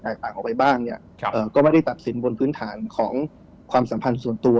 ต่างออกไปบ้างเนี่ยก็ไม่ได้ตัดสินบนพื้นฐานของความสัมพันธ์ส่วนตัว